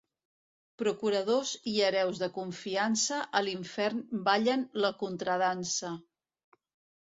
Procuradors i hereus de confiança, a l'infern ballen la contradansa.